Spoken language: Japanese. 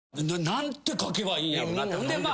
何て書けばいいんやろな。